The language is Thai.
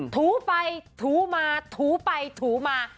ถูไปถูมาถูไปถูมา